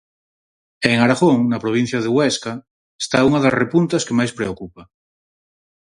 E en Aragón, na provincia de Huesca, está unha das repuntas que máis preocupa.